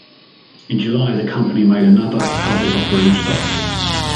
In July, the company made another public offering of stock.